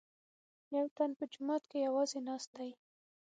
یوتن په جومات کې یوازې ناست دی.